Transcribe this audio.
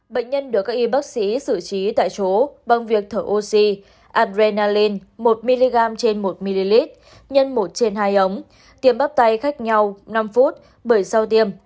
bệnh nhân được các y bác sĩ xử trí tại chỗ bằng việc thở oxy abreal một mg trên một ml nhân một trên hai ống tiêm bắp tay khác nhau năm phút bởi sau tiêm